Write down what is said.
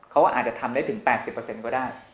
เขาอาจจะทำได้ถึง๘๐ก็ได้